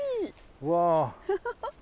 うわ。